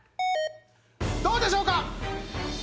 どうでしょうか？